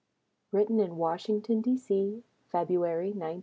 Written in Washington, D.C. February, 1915.